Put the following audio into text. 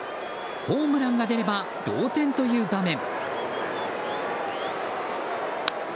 ホームランが出れば同点という場面。